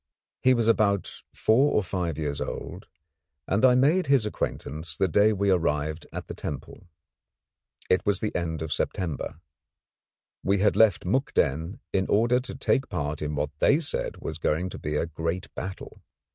He was about four or five years old, and I made his acquaintance the day we arrived at the temple. It was at the end of September. We had left Mukden in order to take part in what they said was going to be a great battle.